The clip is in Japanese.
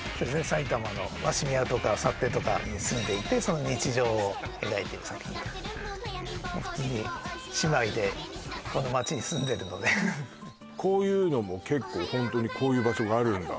埼玉の鷲宮とか幸手とかに住んでいてその日常を描いてる作品普通に姉妹でこの町に住んでるのでこういうのも結構ホントにこういう場所があるんだ